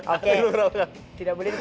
tidak boleh diteruskan